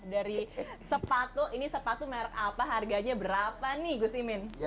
dari sepatu ini sepatu merek apa harganya berapa nih gus imin